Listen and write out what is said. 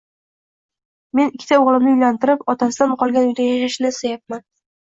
Men ikki o`g`limni uylantirib, otasidan qolgan uyda yashashini istayapman